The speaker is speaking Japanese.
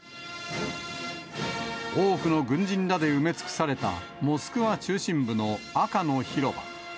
多くの軍人らで埋め尽くされたモスクワ中心部の赤の広場。